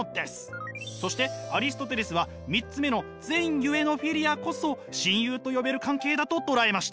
そしてアリストテレスは３つ目の善ゆえのフィリアこそ親友と呼べる関係だと捉えました。